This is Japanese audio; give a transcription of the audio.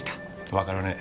わからねえ。